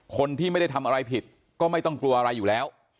คนที่ไม่ได้ทำอะไรผิดก็ไม่ต้องกลัวอะไรอยู่แล้ว